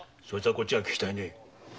こっちが聞きたいね。